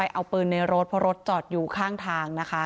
เอาปืนในรถเพราะรถจอดอยู่ข้างทางนะคะ